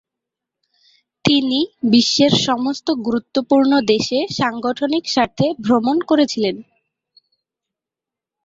তিনি বিশ্বের সমস্ত গুরুত্বপূর্ণ দেশে সাংগঠনিক স্বার্থে ভ্রমণ করেছিলেন।